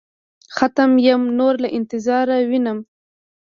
ختم يمه نور له انتظاره وينم.